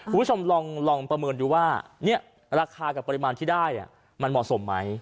คุณผู้ชมลองประเมินดูว่าราคากับปริมาณที่ได้มันเหมาะสมไหม